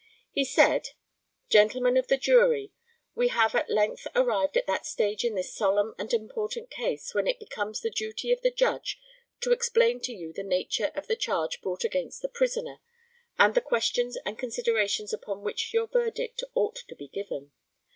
He said, Gentlemen of the Jury, we have at length arrived at that stage in this solemn and important case when it becomes the duty of the Judge to explain to you the nature of the charge brought against the prisoner, and the questions and considerations upon which your verdict ought to be given.